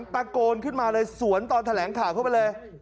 ตะโกนขึ้นมาเลยสวนตอนแถลงข่าวเข้าไปเลย